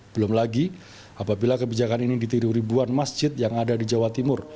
belum lagi apabila kebijakan ini ditiru ribuan masjid yang ada di jawa timur